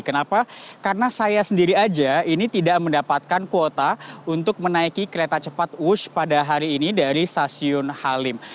kenapa karena saya sendiri aja ini tidak mendapatkan kuota untuk menaiki kereta cepat wush pada hari ini dari stasiun halim